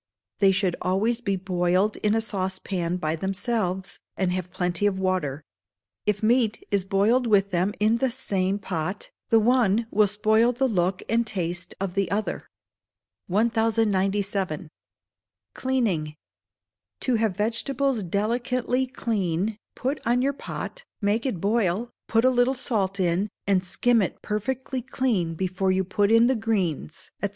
They should alway be boiled in a saucepan by themselves, and have plenty of water: if meat is boiled with them in the same pot, the one will spoil the look and taste of the other. 1097. Cleaning. To have vegetables delicately clean, put on your pot, make it boil, put a little salt in, and skim it perfectly clean before you put in the greens, &c.